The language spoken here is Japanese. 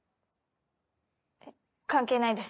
⁉関係ないです。